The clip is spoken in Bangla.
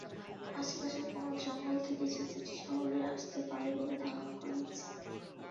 আশপাশের কোনো জঙ্গল থেকে চিতাটি শহরে আসতে পারে বলে ধারণা করা হচ্ছে।